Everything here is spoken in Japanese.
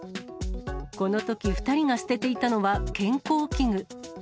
このとき、２人が捨てていたのは健康器具。